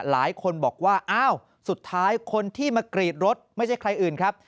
หลายคนบอกว่าอ้าวสุดท้ายคนที่มากรีดรถไม่ใช่ใครอื่นครับ